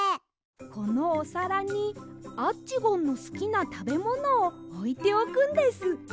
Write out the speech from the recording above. このおさらにアッチゴンのすきなたべものをおいておくんです。